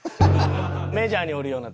メジャーにおるようなタイプ。